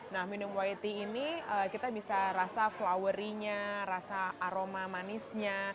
nah minum white ini kita bisa rasa flowery nya rasa aroma manisnya